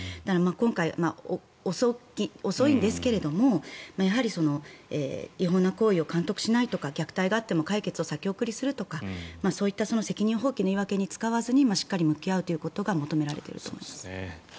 今回、遅いんですけれども違法な行為を監督しないとか虐待があっても解決を先送りするとかそういった責任放棄の言い訳に使わずにしっかり向き合うということが求められていると思います。